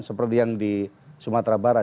seperti yang di sumatera barat